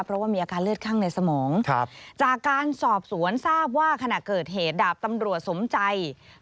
เพราะว่ามีอาการเลือดข้างในสมองจากการสอบสวนทราบว่าขณะเกิดเหตุดาบตำรวจสมใจ